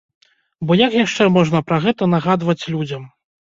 Бо як яшчэ можна пра гэта нагадваць людзям?